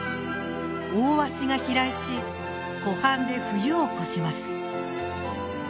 オオワシが飛来し湖畔で冬を越します。